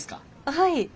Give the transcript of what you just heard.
はい。